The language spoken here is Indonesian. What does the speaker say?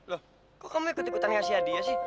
loh kok kamu ikut ikutan ngasih hadiah sih